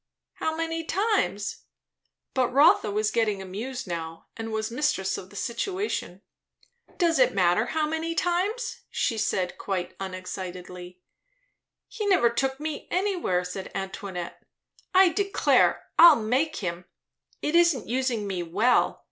"How many times?" But Rotha was getting amused now, and was mistress of the situation. "Does it matter how many times?" she said quite unexcitedly. "He never took me anywhere," said Antoinette. "I declare, I'll make him. It isn't using me well.